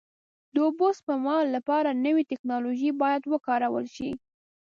د اوبو سپما لپاره نوې ټکنالوژۍ باید وکارول شي.